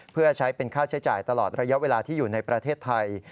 เพื่อใช้เป็นค่าใช้จ่ายตลอดระยะเวลาที่อยู่ในประเทศไทย